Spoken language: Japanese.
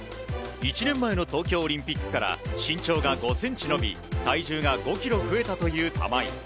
１年前の東京オリンピックから身長が５ｃｍ伸び体重が５ｋｇ増えたという玉井。